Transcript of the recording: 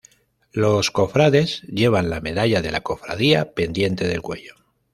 Los cofrades llevan la medalla de la Cofradía pendiente del cuello.